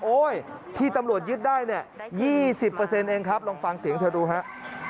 โอ๊ยที่ตำรวจยึดได้๒๐เองครับลองฟังเสียงเธอดูครับ